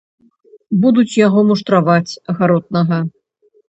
Будуць яго муштраваць, гаротнага.